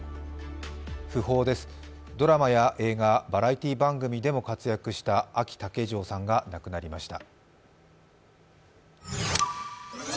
訃報です、ドラマや映画、バラエティー番組でも活躍したあき竹城さんが亡くなりました。